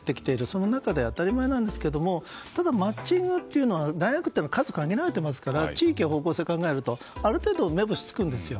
その中で当たり前なんですがただ、マッチングというのは大学というのは数が限られていますので地域や方向性を考えるとある程度、目星は付くんですよ。